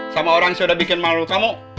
sama orang yang sudah bikin malu kamu